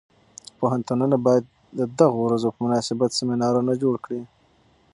پوهنتونونه باید د دغو ورځو په مناسبت سیمینارونه جوړ کړي.